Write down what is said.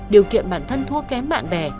điều kiện bản thân thua kém bạn bè